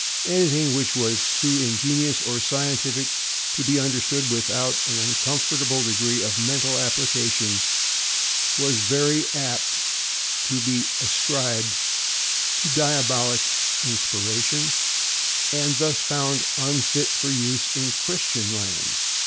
Anything which was too ingenious or scientific to be understood without an uncomfortable degree of mental application was very apt to be ascribed to diabolic inspiration and thus found unfit for use in "Christian" lands.